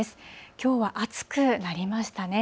きょうは暑くなりましたね。